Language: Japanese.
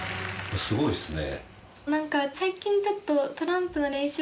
すごいですね。